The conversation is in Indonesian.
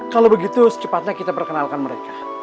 kalau begitu secepatnya kita perkenalkan mereka